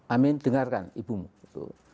amin dengarkan ibumu